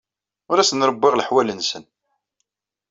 Ur asen-rewwiɣ leḥwal-nsen.